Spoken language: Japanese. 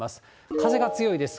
風が強いです。